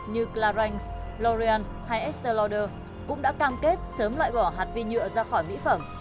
như clarins l oreal hay estée lauder cũng đã cam kết sớm loại bỏ hạt vi nhựa ra khỏi mỹ phẩm